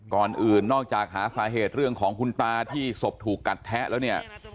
ก่อนอื่นนอกจากหาสาเหตุเรื่องของคุณตาที่ศพถูกกัดแทะแล้วเนี่ย